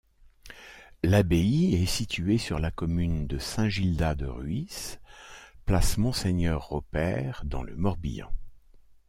L'abbaye est située sur la commune de Saint-Gildas-de-Rhuys, place Monseigneur Ropert, dans le Morbihan.